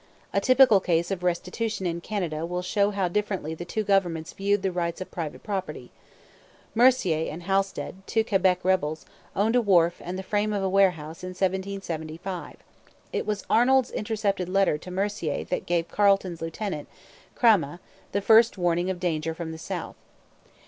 A typical case of restitution in Canada will show how differently the two governments viewed the rights of private property. Mercier and Halsted, two Quebec rebels, owned a wharf and the frame of a warehouse in 1775. It was Arnold's intercepted letter to Mercier that gave Carleton's lieutenant, Cramahe, the first warning of danger from the south.